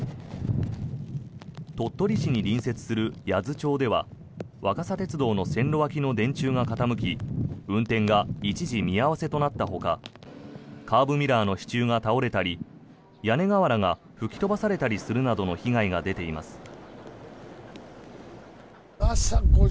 鳥取市に隣接する八頭町では若桜鉄道の線路脇の電柱が傾き運転が一時、見合わせとなったほかカーブミラーの支柱が倒れたり屋根瓦が吹き飛ばされたりするなどの被害が出ています。